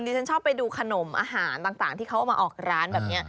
ฉันชอบไปดูขนมอาหารต่างที่เขาเอามาออกร้านแบบนี้